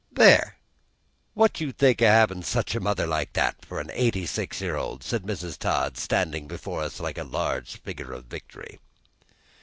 "There, what do you think o' havin' such a mother as that for eighty six year old?" said Mrs. Todd, standing before us like a large figure of Victory.